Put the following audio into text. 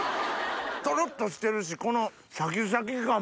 トロっとしてるしこのシャキシャキ感も。